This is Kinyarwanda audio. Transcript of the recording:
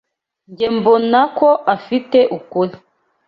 Njye mbona ko afite ukuri.